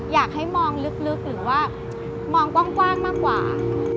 อยากให้มองลึกหรือว่ามองกว้างมากกว่า